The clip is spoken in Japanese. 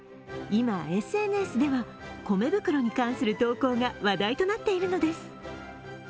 今、ＳＮＳでは米袋に関する投稿が話題となっているのです。